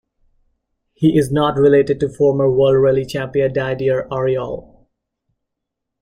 He is not related to former World Rally Champion Didier Auriol.